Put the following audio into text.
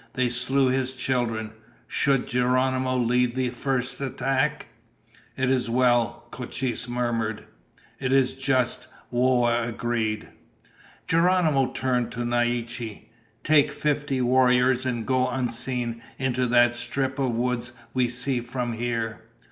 They slew his children. Should Geronimo lead the first attack?" "It is well," Cochise murmured. "It is just," Whoa agreed. Geronimo turned to Naiche. "Take fifty warriors and go unseen into that strip of woods we see from here.